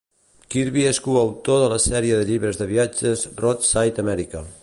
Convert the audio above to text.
Kirby es coautor de la sèrie de llibres de viatge "Roadside America".